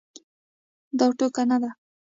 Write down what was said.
دا ټوکه نه ده.